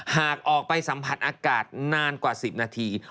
หากออกไปสัมผัสอากาศนานกว่า๑๐นาที